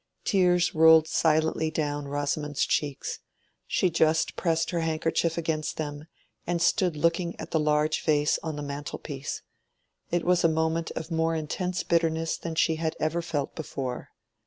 Tears rolled silently down Rosamond's cheeks; she just pressed her handkerchief against them, and stood looking at the large vase on the mantel piece. It was a moment of more intense bitterness than she had ever felt before.